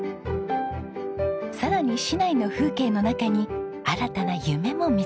さらに市内の風景の中に新たな夢も見つけたんです。